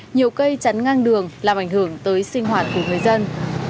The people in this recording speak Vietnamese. nhiều cây chắn ngang đường làm ảnh hưởng tới sinh hoạt của người dân